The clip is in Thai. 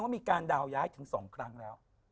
มีการดาวย้ายถึง๒ครั้งแล้ว